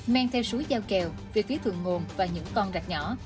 men theo suối giao kèo về phía thường nguồn và những con rạc nhỏ